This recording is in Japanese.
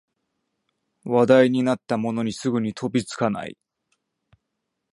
話題になったものにすぐに飛びつかない